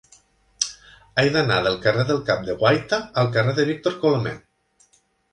He d'anar del carrer del Cap de Guaita al carrer de Víctor Colomer.